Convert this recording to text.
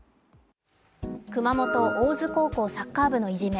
熊本・大津高校のサッカー部のいじめ。